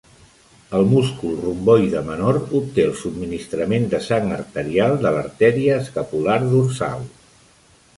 El múscul romboide menor obté el subministrament de sang arterial de l'artèria escapular dorsal.